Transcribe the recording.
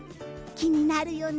気になるよね？